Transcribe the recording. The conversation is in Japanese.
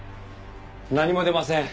何も出ません。